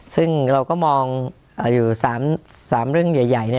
ซึ่งเราก็มองอยู่๓เรื่องใหญ่